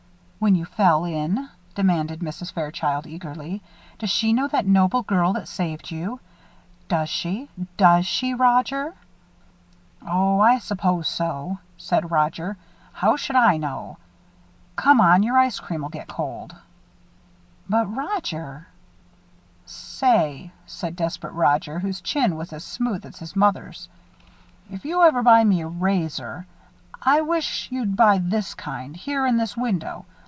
"When you fell in?" demanded Mrs. Fairchild, eagerly. "Does she know that noble girl that saved you? Does she does she, Roger?" "Oh, I s'pose so," said Roger. "How should I know come on, your ice cream'll get cold." "But, Roger " "Say," said desperate Roger, whose chin was as smooth as his mother's, "if you ever buy me a razor, I wish you'd buy this kind here in this window.